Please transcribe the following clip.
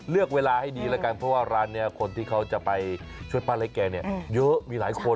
เลือกเวลาให้ดีแล้วกันเพราะว่าร้านนี้คนที่เขาจะไปช่วยป้าเล็กแกเนี่ยเยอะมีหลายคน